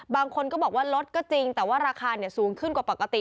บางคนก็บอกว่าลดก็จริงแต่ว่าราคาสูงขึ้นกว่าปกติ